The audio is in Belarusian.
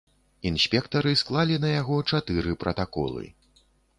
Інспектары склалі на яго чатыры пратаколы.